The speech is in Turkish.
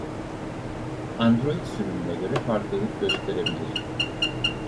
Android sürümüne göre farklılık gösterebilir.